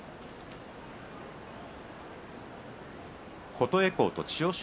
琴恵光と千代翔